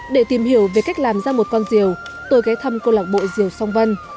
để tìm hiểu về cách làm ra một con rìu tôi ghé thăm cô lạc bộ rìu song vân